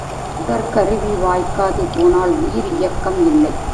உடற்கருவி வாய்க்காது போனால் உயிர் இயக்கம் இல்லை.